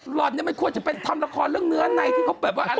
หล่อนนี้ไม่ควรจะไปทำละครเรื่องเนื้อในที่เขาเปลี่ยนว่าอะไร